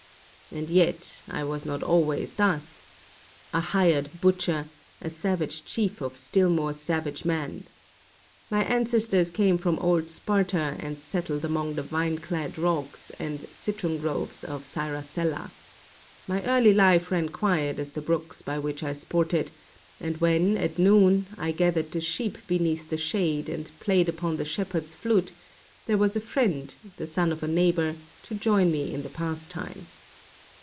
And yet I was not always thus — a 361 ROME hired butcher, a savage chief of still more savage men! My ancestors came from old Sparta and settled among the vineclad rocks and citron groves of Syrasella. My early life ran quiet as the brooks by which I sported; and when, at noon, I gathered the sheep beneath the shade and played upon the shepherd's flute, there was a friend, the son of a neighbor, to join me in the pastime.